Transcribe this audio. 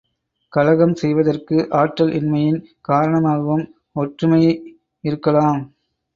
கலகம் செய்வதற்கு ஆற்றல் இன்மையின் காரணமாகவும் ஒற்றுமை இருக்கலாம்.